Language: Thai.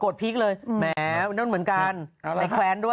ส่งมาเยอะนะคะ